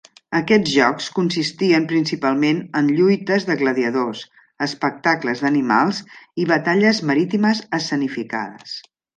Aquests jocs consistien principalment en lluites de gladiadors, espectacles d'animals i batalles marítimes escenificades.